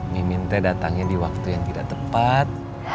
mimin teh datangnya di waktu yang tidak tepat